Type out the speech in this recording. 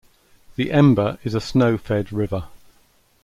The Emba is a snow-fed river.